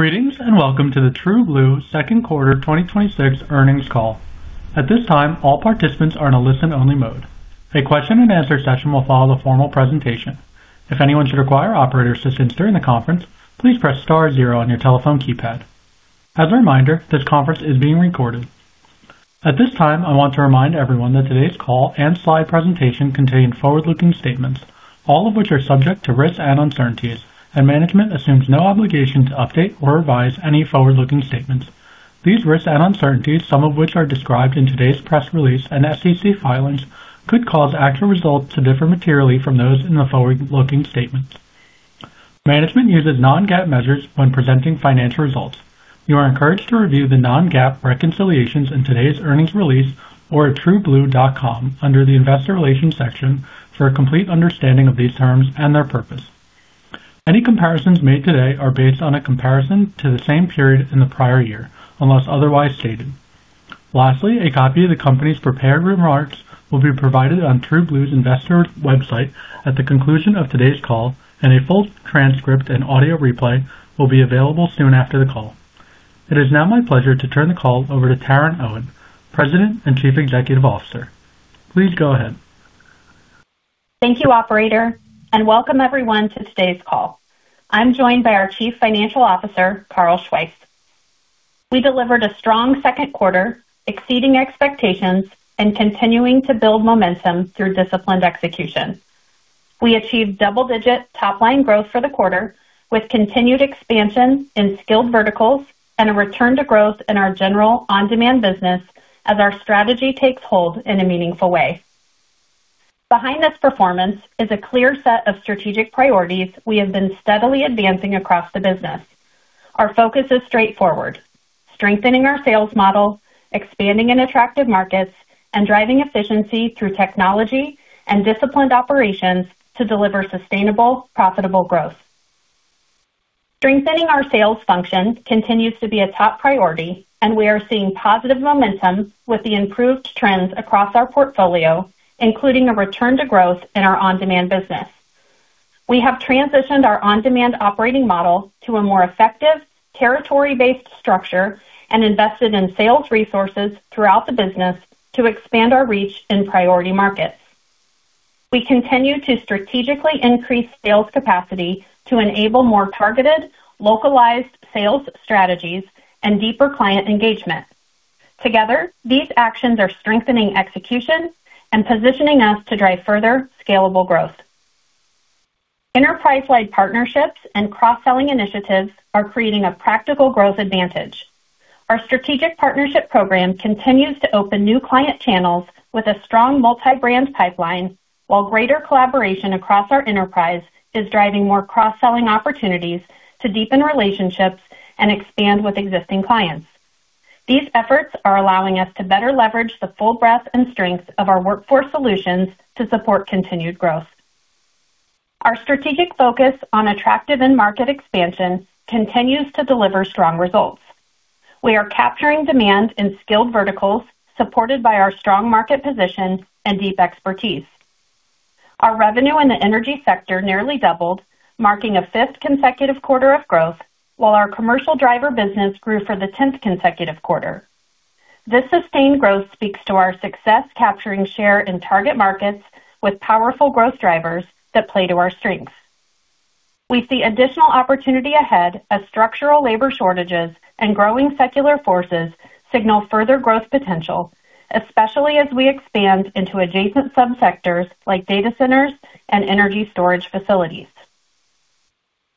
Greetings, and welcome to the TrueBlue second quarter 2026 earnings call. At this time, all participants are in a listen-only mode. A question-and-answer session will follow the formal presentation. If anyone should require operator assistance during the conference, please press star zero on your telephone keypad. As a reminder, this conference is being recorded. At this time, I want to remind everyone that today's call and slide presentation contain forward-looking statements, all of which are subject to risks and uncertainties. Management assumes no obligation to update or revise any forward-looking statements. These risks and uncertainties, some of which are described in today's press release and SEC filings, could cause actual results to differ materially from those in the forward-looking statements. Management uses non-GAAP measures when presenting financial results. You are encouraged to review the non-GAAP reconciliations in today's earnings release or at trueblue.com under the Investor Relations section for a complete understanding of these terms and their purpose. Any comparisons made today are based on a comparison to the same period in the prior year, unless otherwise stated. Lastly, a copy of the company's prepared remarks will be provided on TrueBlue's Investor website at the conclusion of today's call. A full transcript and audio replay will be available soon after the call. It is now my pleasure to turn the call over to Taryn Owen, President and Chief Executive Officer. Please go ahead. Thank you, operator, and welcome everyone to today's call. I'm joined by our Chief Financial Officer, Carl Schweihs. We delivered a strong second quarter, exceeding expectations and continuing to build momentum through disciplined execution. We achieved double-digit top-line growth for the quarter, with continued expansion in skilled verticals and a return to growth in our general on-demand business as our strategy takes hold in a meaningful way. Behind this performance is a clear set of strategic priorities we have been steadily advancing across the business. Our focus is straightforward: strengthening our sales model, expanding in attractive markets, and driving efficiency through technology and disciplined operations to deliver sustainable, profitable growth. Strengthening our sales function continues to be a top priority. We are seeing positive momentum with the improved trends across our portfolio, including a return to growth in our on-demand business. We have transitioned our on-demand operating model to a more effective territory-based structure and invested in sales resources throughout the business to expand our reach in priority markets. We continue to strategically increase sales capacity to enable more targeted, localized sales strategies and deeper client engagement. Together, these actions are strengthening execution and positioning us to drive further scalable growth. Enterprise-wide partnerships and cross-selling initiatives are creating a practical growth advantage. Our strategic partnership program continues to open new client channels with a strong multi-brand pipeline, while greater collaboration across our enterprise is driving more cross-selling opportunities to deepen relationships and expand with existing clients. These efforts are allowing us to better leverage the full breadth and strength of our workforce solutions to support continued growth. Our strategic focus on attractive end-market expansion continues to deliver strong results. We are capturing demand in skilled verticals, supported by our strong market position and deep expertise. Our revenue in the energy sector nearly doubled, marking a fifth consecutive quarter of growth, while our commercial driver business grew for the 10th consecutive quarter. This sustained growth speaks to our success capturing share in target markets with powerful growth drivers that play to our strengths. We see additional opportunity ahead as structural labor shortages and growing secular forces signal further growth potential, especially as we expand into adjacent subsectors like data centers and energy storage facilities.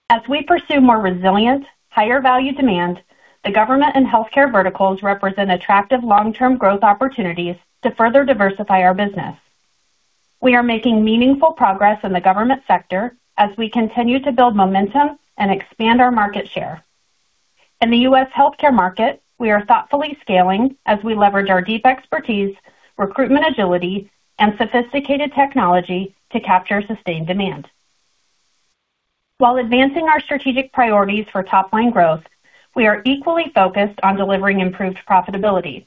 As we pursue more resilient, higher-value demand, the government and healthcare verticals represent attractive long-term growth opportunities to further diversify our business. We are making meaningful progress in the government sector as we continue to build momentum and expand our market share. In the U.S. healthcare market, we are thoughtfully scaling as we leverage our deep expertise, recruitment agility, and sophisticated technology to capture sustained demand. While advancing our strategic priorities for top-line growth, we are equally focused on delivering improved profitability.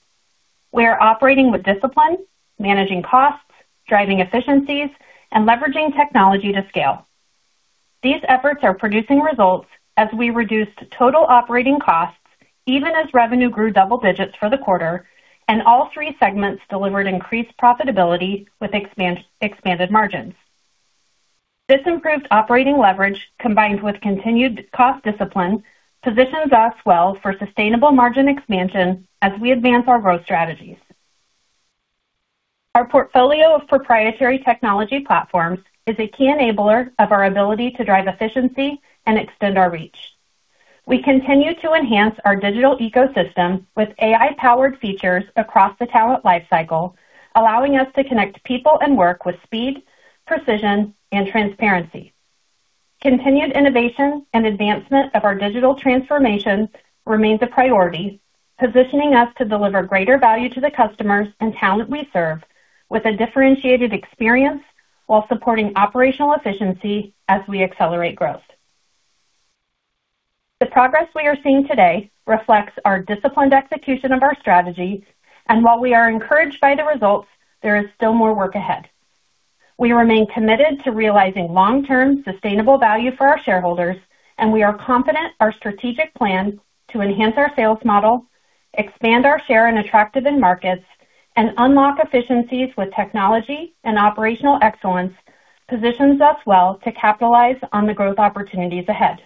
We are operating with discipline, managing costs, driving efficiencies, and leveraging technology to scale. These efforts are producing results as we reduced total operating costs even as revenue grew double-digits for the quarter, and all three segments delivered increased profitability with expanded margins. This improved operating leverage, combined with continued cost discipline, positions us well for sustainable margin expansion as we advance our growth strategies. Our portfolio of proprietary technology platforms is a key enabler of our ability to drive efficiency and extend our reach. We continue to enhance our digital ecosystem with AI-powered features across the talent life cycle, allowing us to connect people and work with speed, precision, and transparency. Continued innovation and advancement of our digital transformations remains a priority, positioning us to deliver greater value to the customers and talent we serve with a differentiated experience while supporting operational efficiency as we accelerate growth. The progress we are seeing today reflects our disciplined execution of our strategy, and while we are encouraged by the results, there is still more work ahead. We remain committed to realizing long-term sustainable value for our shareholders, and we are confident our strategic plan to enhance our sales model, expand our share in attractive end markets, and unlock efficiencies with technology and operational excellence positions us well to capitalize on the growth opportunities ahead.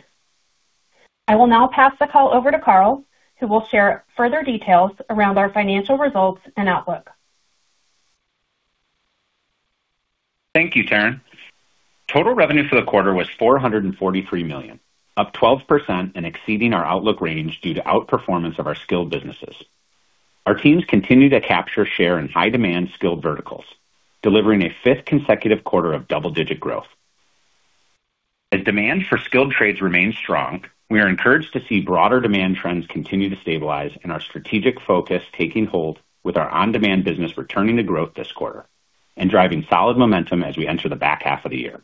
I will now pass the call over to Carl, who will share further details around our financial results and outlook. Thank you, Taryn. Total revenue for the quarter was $443 million, up 12% and exceeding our outlook range due to outperformance of our skilled businesses. Our teams continue to capture share in high-demand skilled verticals, delivering a fifth consecutive quarter of double-digit growth. As demand for skilled trades remains strong, we are encouraged to see broader demand trends continue to stabilize and our strategic focus taking hold with our on-demand business returning to growth this quarter and driving solid momentum as we enter the back half of the year.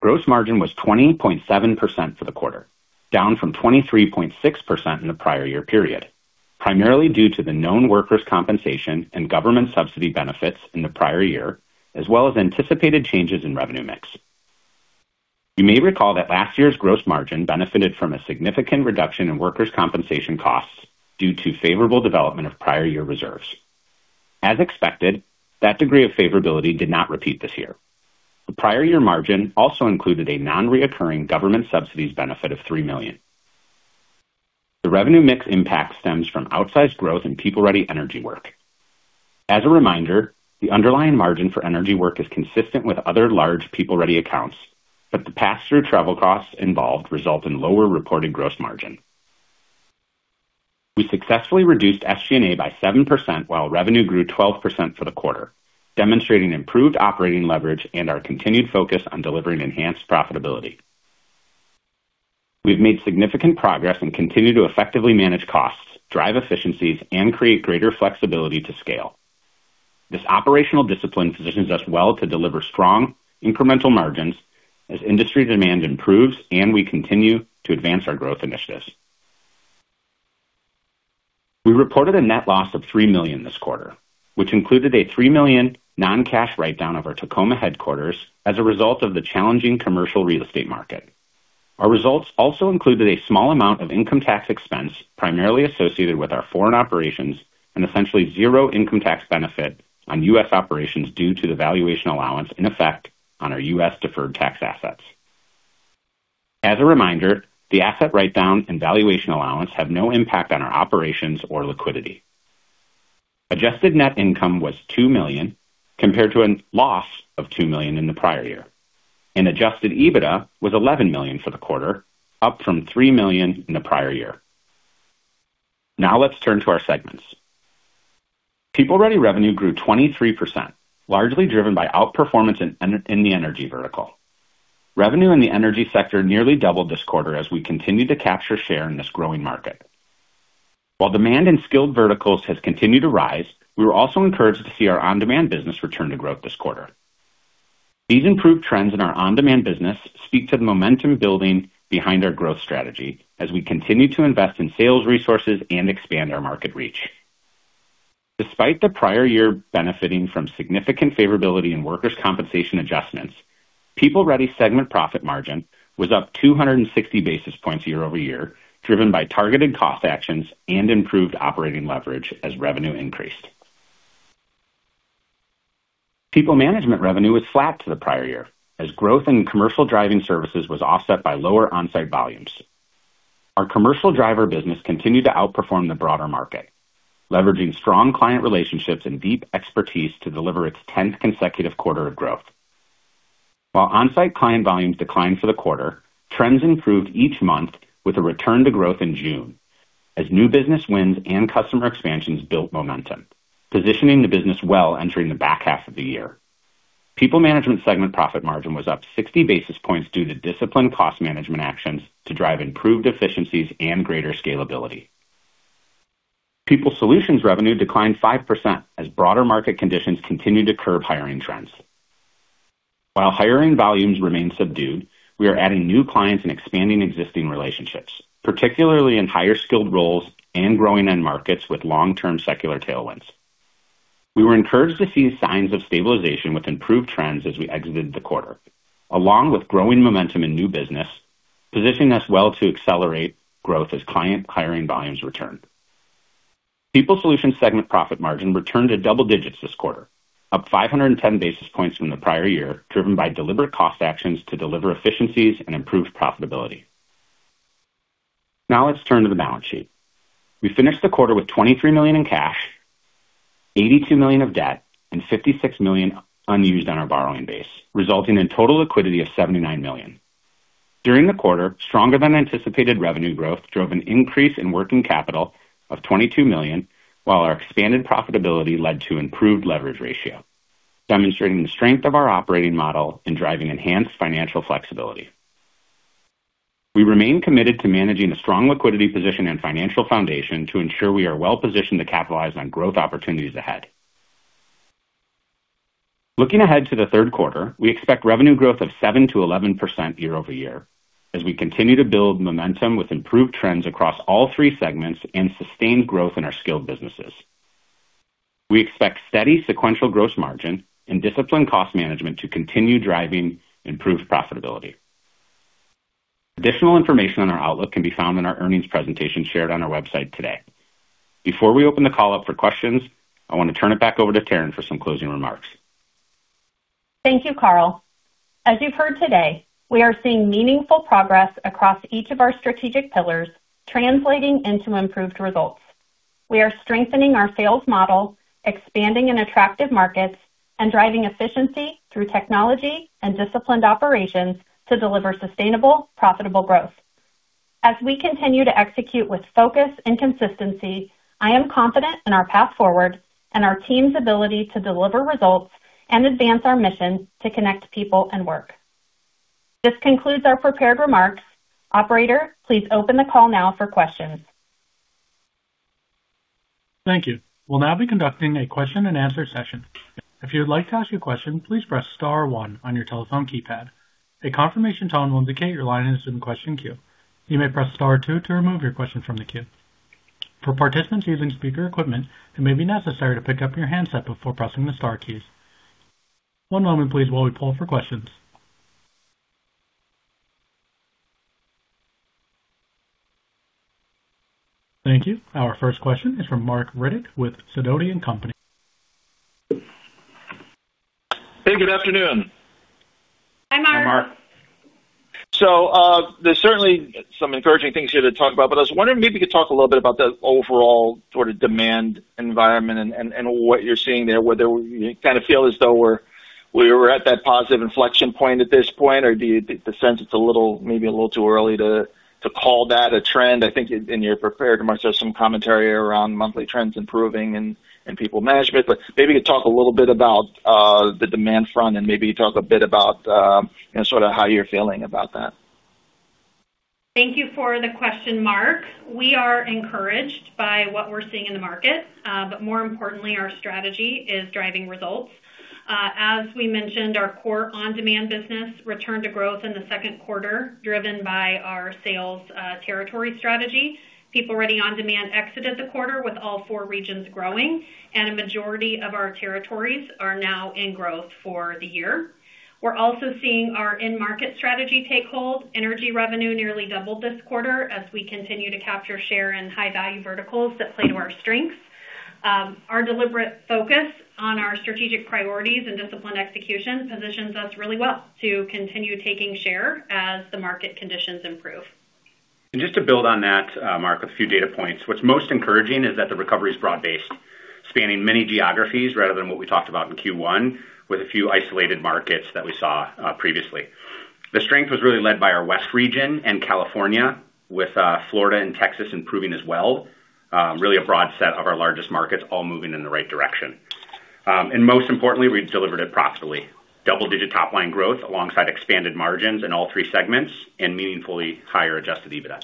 Gross margin was 20.7% for the quarter, down from 23.6% in the prior year period, primarily due to the known workers' compensation and government subsidy benefits in the prior year, as well as anticipated changes in revenue mix. You may recall that last year's gross margin benefited from a significant reduction in workers' compensation costs due to favorable development of prior year reserves. As expected, that degree of favorability did not repeat this year. The prior year margin also included a non-recurring government subsidies benefit of $3 million. The revenue mix impact stems from outsized growth in PeopleReady energy work. As a reminder, the underlying margin for energy work is consistent with other large PeopleReady accounts, but the pass-through travel costs involved result in lower reported gross margin. We successfully reduced SG&A by 7% while revenue grew 12% for the quarter, demonstrating improved operating leverage and our continued focus on delivering enhanced profitability. We've made significant progress and continue to effectively manage costs, drive efficiencies, and create greater flexibility to scale. This operational discipline positions us well to deliver strong incremental margins as industry demand improves and we continue to advance our growth initiatives. We reported a net loss of $3 million this quarter, which included a $3 million non-cash write-down of our Tacoma headquarters as a result of the challenging commercial real estate market. Our results also included a small amount of income tax expense, primarily associated with our foreign operations, and essentially zero income tax benefit on U.S. operations due to the valuation allowance in effect on our U.S. deferred tax assets. As a reminder, the asset write-down and valuation allowance have no impact on our operations or liquidity. Adjusted net income was $2 million, compared to a loss of $2 million in the prior year, and Adjusted EBITDA was $11 million for the quarter, up from $3 million in the prior year. Let's turn to our segments. PeopleReady revenue grew 23%, largely driven by outperformance in the energy vertical. Revenue in the energy sector nearly doubled this quarter as we continued to capture share in this growing market. While demand in skilled verticals has continued to rise, we were also encouraged to see our on-demand business return to growth this quarter. These improved trends in our on-demand business speak to the momentum building behind our growth strategy as we continue to invest in sales resources and expand our market reach. Despite the prior year benefiting from significant favorability in workers' compensation adjustments, PeopleReady segment profit margin was up 260 basis points year-over-year, driven by targeted cost actions and improved operating leverage as revenue increased. PeopleManagement revenue was flat to the prior year as growth in commercial driving services was offset by lower on-site volumes. Our commercial driver business continued to outperform the broader market, leveraging strong client relationships and deep expertise to deliver its 10th consecutive quarter of growth. While on-site client volumes declined for the quarter, trends improved each month with a return to growth in June as new business wins and customer expansions built momentum, positioning the business well entering the back half of the year. PeopleManagement segment profit margin was up 60 basis points due to disciplined cost management actions to drive improved efficiencies and greater scalability. PeopleSolutions revenue declined 5% as broader market conditions continued to curb hiring trends. While hiring volumes remain subdued, we are adding new clients and expanding existing relationships, particularly in higher skilled roles and growing end markets with long-term secular tailwinds. We were encouraged to see signs of stabilization with improved trends as we exited the quarter, along with growing momentum in new business, positioning us well to accelerate growth as client hiring volumes return. PeopleSolutions segment profit margin returned to double-digits this quarter, up 510 basis points from the prior year, driven by deliberate cost actions to deliver efficiencies and improve profitability. Let's turn to the balance sheet. We finished the quarter with $23 million in cash, $82 million of debt, and $56 million unused on our borrowing base, resulting in total liquidity of $79 million. During the quarter, stronger-than-anticipated revenue growth drove an increase in working capital of $22 million, while our expanded profitability led to improved leverage ratio, demonstrating the strength of our operating model in driving enhanced financial flexibility. We remain committed to managing a strong liquidity position and financial foundation to ensure we are well positioned to capitalize on growth opportunities ahead. Looking ahead to the third quarter, we expect revenue growth of 7% to 11% year-over-year as we continue to build momentum with improved trends across all three segments and sustained growth in our skilled businesses. We expect steady sequential gross margin and disciplined cost management to continue driving improved profitability. Additional information on our outlook can be found in our earnings presentation shared on our website today. Before we open the call up for questions, I want to turn it back over to Taryn for some closing remarks. Thank you, Carl. As you've heard today, we are seeing meaningful progress across each of our strategic pillars, translating into improved results. We are strengthening our sales model, expanding in attractive markets, and driving efficiency through technology and disciplined operations to deliver sustainable, profitable growth. As we continue to execute with focus and consistency, I am confident in our path forward and our team's ability to deliver results and advance our mission to connect people and work. This concludes our prepared remarks. Operator, please open the call now for questions. Thank you. We'll now be conducting a question-and-answer session. If you'd like to ask a question, please press star one on your telephone keypad. A confirmation tone will indicate your line is in the question queue. You may press star two to remove your question from the queue. For participants using speaker equipment, it may be necessary to pick up your handset before pressing the star keys. One moment please while we poll for questions. Thank you. Our first question is from Marc Riddick with Sidoti & Company. Hey, good afternoon. Hi, Marc. Hi, Marc. There's certainly some encouraging things here to talk about, but I was wondering maybe you could talk a little bit about the overall sort of demand environment and what you're seeing there, whether you kind of feel as though we're at that positive inflection point at this point, or do you sense it's maybe a little too early to call that a trend. I think in your prepared remarks, there's some commentary around monthly trends improving in PeopleManagement, but maybe you could talk a little bit about the demand front and maybe talk a bit about sort of how you're feeling about that. Thank you for the question, Marc. We are encouraged by what we're seeing in the market. More importantly, our strategy is driving results. As we mentioned, our core on-demand business returned to growth in the second quarter, driven by our sales territory strategy. PeopleReady on-demand exited the quarter with all four regions growing, and a majority of our territories are now in growth for the year. We're also seeing our in-market strategy take hold. Energy revenue nearly doubled this quarter as we continue to capture share in high-value verticals that play to our strengths. Our deliberate focus on our strategic priorities and disciplined execution positions us really well to continue taking share as the market conditions improve. Just to build on that, Marc, a few data points. What's most encouraging is that the recovery is broad-based, spanning many geographies rather than what we talked about in Q1 with a few isolated markets that we saw previously. The strength was really led by our West region and California, with Florida and Texas improving as well. Really a broad set of our largest markets all moving in the right direction. Most importantly, we've delivered it profitably. Double-digit top-line growth alongside expanded margins in all three segments and meaningfully higher Adjusted EBITDA.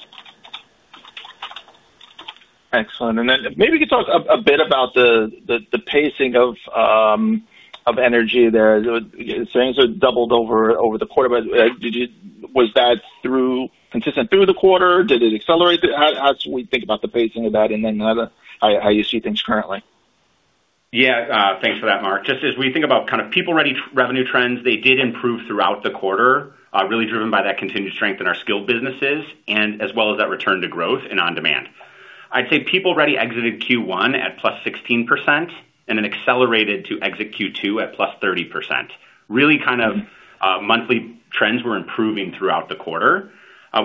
Excellent. Maybe you could talk a bit about the pacing of energy there. You're saying it's doubled over the quarter, was that consistent through the quarter? Did it accelerate? How should we think about the pacing of that, and how you see things currently? Thanks for that, Marc. Just as we think about kind of PeopleReady revenue trends, they did improve throughout the quarter, really driven by that continued strength in our skilled businesses as well as that return to growth in on-demand. I'd say PeopleReady exited Q1 at +16% and accelerated to exit Q2 at +30%. Really kind of monthly trends were improving throughout the quarter.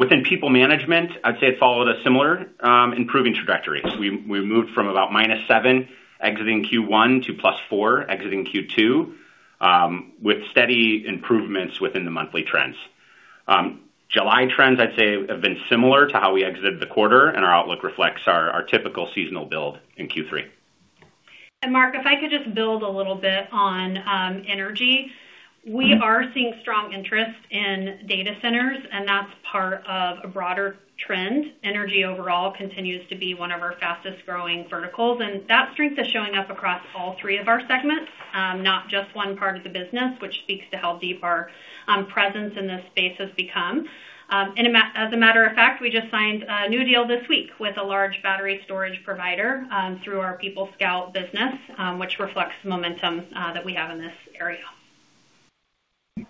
Within PeopleManagement, I'd say it followed a similar improving trajectories. We moved from about -7% exiting Q1 to +4% exiting Q2, with steady improvements within the monthly trends. July trends, I'd say, have been similar to how we exited the quarter. Our outlook reflects our typical seasonal build in Q3. Marc, if I could just build a little bit on energy. We are seeing strong interest in data centers, and that's part of a broader trend. Energy overall continues to be one of our fastest-growing verticals, that strength is showing up across all three of our segments, not just one part of the business, which speaks to how deep our presence in this space has become. As a matter of fact, we just signed a new deal this week with a large battery storage provider through our PeopleScout business, which reflects the momentum that we have in this area.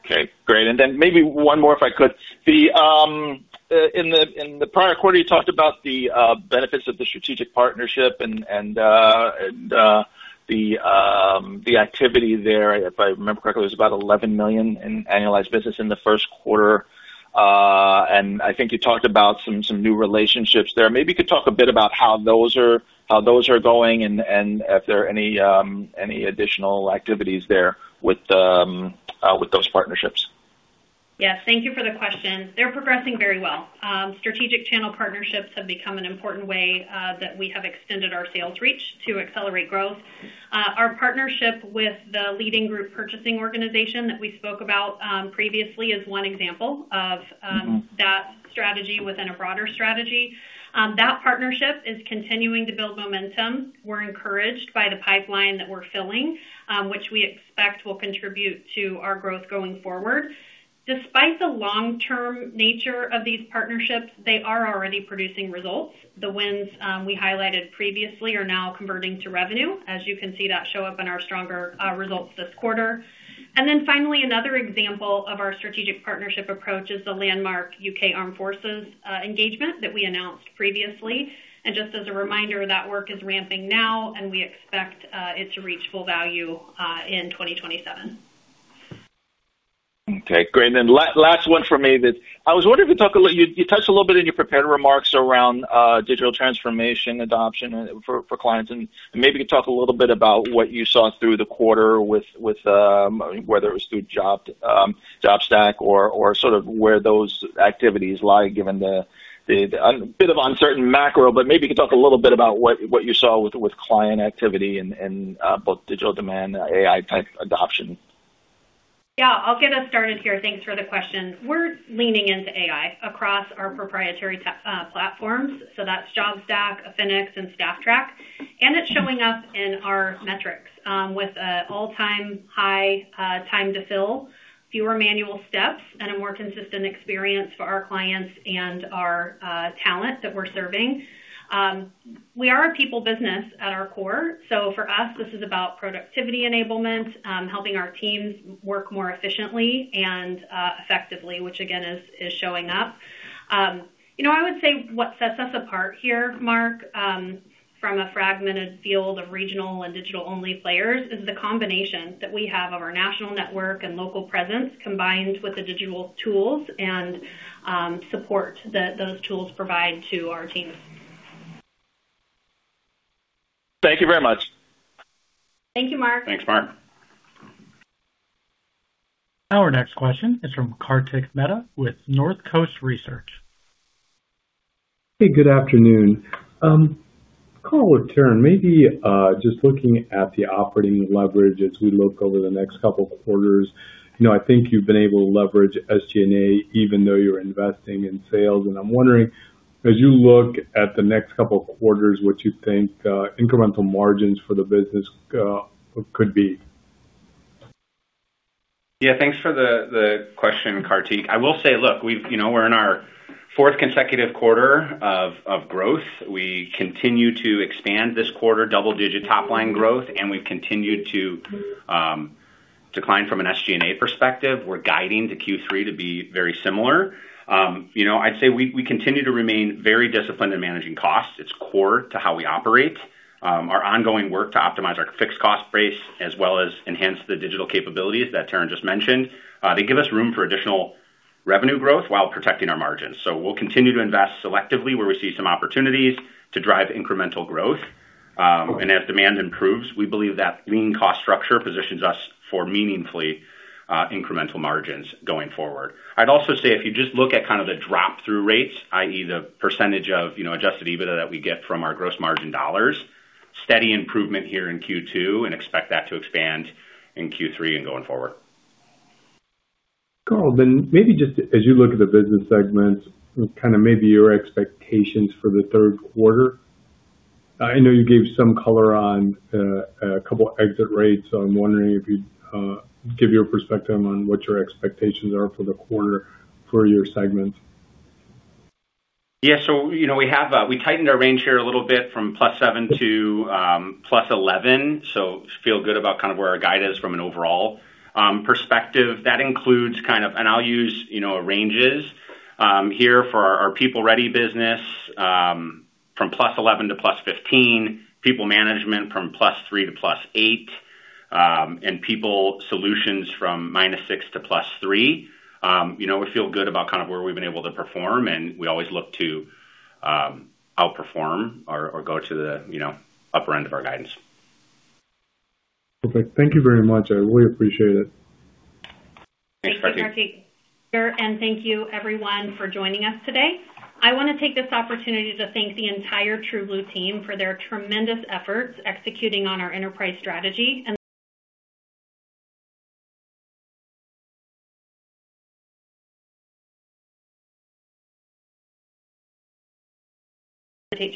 Great. Maybe one more, if I could. In the prior quarter, you talked about the benefits of the strategic partnership and the activity there. If I remember correctly, it was about $11 million in annualized business in the first quarter. I think you talked about some new relationships there. Maybe you could talk a bit about how those are going and if there are any additional activities there with those partnerships. Thank you for the question. They're progressing very well. Strategic channel partnerships have become an important way that we have extended our sales reach to accelerate growth. Our partnership with the leading group purchasing organization that we spoke about previously is one example of that strategy within a broader strategy. That partnership is continuing to build momentum. We're encouraged by the pipeline that we're filling, which we expect will contribute to our growth going forward. Despite the long-term nature of these partnerships, they are already producing results. The wins we highlighted previously are now converting to revenue. As you can see, that show up in our stronger results this quarter. Finally, another example of our strategic partnership approach is the landmark British Armed Forces engagement that we announced previously. Just as a reminder, that work is ramping now and we expect it to reach full value in 2027. Great. Last one for me. You touched a little bit in your prepared remarks around digital transformation adoption for clients. Maybe you could talk a little bit about what you saw through the quarter with whether it was through JobStack or sort of where those activities lie given the bit of uncertain macro. Maybe you could talk a little bit about what you saw with client activity in both digital demand, AI-type adoption. I'll get us started here. Thanks for the question. We're leaning into AI across our proprietary platforms. That's JobStack, Affinix, and Stafftrack. It's showing up in our metrics, with an all-time high time to fill, fewer manual steps, and a more consistent experience for our clients and our talent that we're serving. We are a people business at our core, for us, this is about productivity enablement, helping our teams work more efficiently and effectively, which again is showing up. I would say what sets us apart here, Marc, from a fragmented field of regional and digital-only players is the combination that we have of our national network and local presence, combined with the digital tools and support that those tools provide to our teams. Thank you very much. Thank you, Marc. Thanks, Marc. Our next question is from Kartik Mehta with Northcoast Research. Hey, good afternoon. Carl or Taryn, maybe just looking at the operating leverage as we look over the next couple of quarters. I think you've been able to leverage SG&A even though you're investing in sales. I'm wondering, as you look at the next couple of quarters, what you think incremental margins for the business could be. Thanks for the question, Kartik. I will say, look, we're in our fourth consecutive quarter of growth. We continue to expand this quarter, double-digit top-line growth, and we've continued to decline from an SG&A perspective. We're guiding the Q3 to be very similar. I'd say we continue to remain very disciplined in managing costs. It's core to how we operate. Our ongoing work to optimize our fixed cost base, as well as enhance the digital capabilities that Taryn just mentioned. They give us room for additional revenue growth while protecting our margins. We'll continue to invest selectively where we see some opportunities to drive incremental growth. As demand improves, we believe that lean cost structure positions us for meaningfully incremental margins going forward. I'd also say, if you just look at kind of the drop-through rates, i.e., the percentage of Adjusted EBITDA that we get from our gross margin dollars, steady improvement here in Q2 and expect that to expand in Q3 and going forward. Carl, maybe just as you look at the business segments, kind of maybe your expectations for the third quarter. I know you gave some color on a couple exit rates. I'm wondering if you'd give your perspective on what your expectations are for the quarter for your segments. We tightened our range here a little bit from +7% to +11%. Feel good about kind of where our guide is from an overall perspective. That includes kind of I'll use ranges here for our PeopleReady business, from +11% to +15%. PeopleManagement from +3% to +8%. PeopleSolutions from -6% to +3%. We feel good about kind of where we've been able to perform, and we always look to outperform or go to the upper end of our guidance. Perfect. Thank you very much. I really appreciate it. Thanks, Kartik. Thank you, Kartik. Thank you everyone for joining us today. I want to take this opportunity to thank the entire TrueBlue team for their tremendous efforts executing on our enterprise strategy. This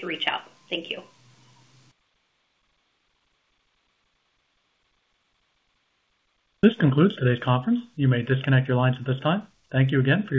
concludes today's conference. You may disconnect your lines at this time. Thank you again for your participation.